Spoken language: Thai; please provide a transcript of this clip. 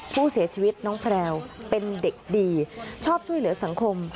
ผู้เสียชีวิตน้องแพลวเป็นเด็กดีชอบช่วยเหลือสังคม